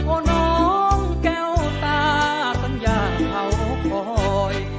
โอ้น้องแก้วตาต้องอย่าเข้าคอย